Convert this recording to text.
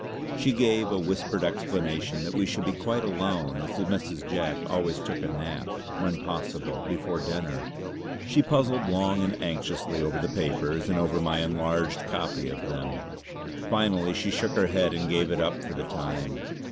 She gave a whispered explanation that we should be quite alone as Mrs. Jack always took a nap, when possible, before dinner. She puzzled long and anxiously over the papers and over my enlarged part copy of them. Finally she shook her head and gave it up for the time.